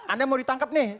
anda mau ditangkap nih